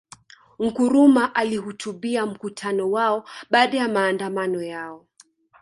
Nkrumah alihutubia mkutano wao baada ya maandamano yao